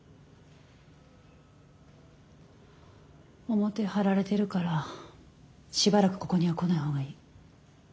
表張られてるからしばらくここには来ない方がいい。